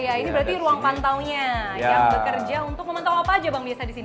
iya ini berarti ruang pantaunya yang bekerja untuk memantau apa aja bang desa di sini